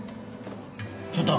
ちょっと！